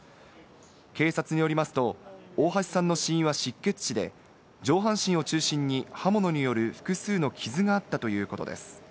警察によりますと、大橋さんの死因は失血死で、上半身を中心に刃物による複数の傷があったということです。